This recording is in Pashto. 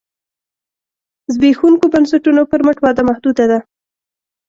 زبېښونکو بنسټونو پر مټ وده محدوده ده.